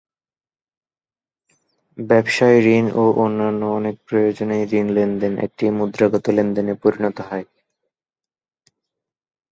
ব্যবসায় ঋণ ও অন্যান্য অনেক প্রয়োজনেই ঋণ লেনদেন একটি মুদ্রাগত লেনদেনে পরিণত হয়।